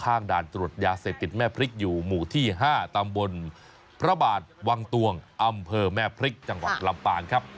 ด่านตรวจยาเสพติดแม่พริกอยู่หมู่ที่๕ตำบลพระบาทวังตวงอำเภอแม่พริกจังหวัดลำปางครับ